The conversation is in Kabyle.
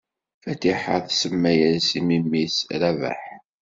Fatiḥa tsemma-as i memmi-s Rabaḥ.